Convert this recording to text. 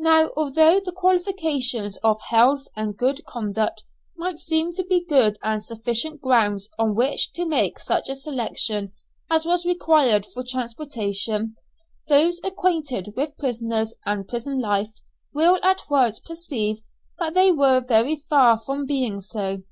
Now, although the qualifications of health and good conduct might seem to be good and sufficient grounds on which to make such a selection as was required for transportation, those acquainted with prisoners and prison life will at once perceive that they were very far from being so.